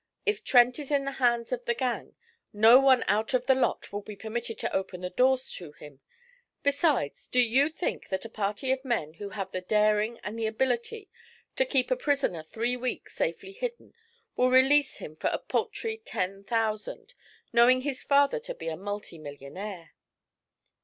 If Trent is in the hands of the gang, no one out of the lot will be permitted to open the doors to him. Besides, do you think that a party of men who have the daring and the ability to keep a prisoner three weeks safely hidden will release him for a paltry ten thousand, knowing his father to be a multi millionaire?'